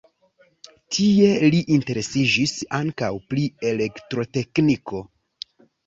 Tie li interesiĝis ankaŭ pri elektrotekniko.